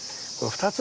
２つ。